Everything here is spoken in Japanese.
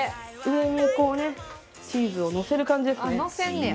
上にこうねチーズをのせる感じですね。